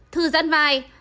thư giãn vai